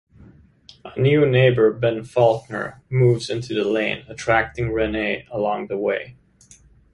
A new neighbor, Ben Faulkner, moves into the lane, attracting Renee along the way.